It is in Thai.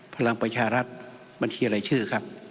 พลังประชารัฐมันคิดอะไรชื่อ